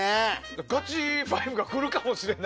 ガチ５が来るかもしれない。